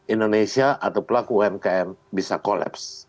indonesia atau pelaku umkm bisa collapse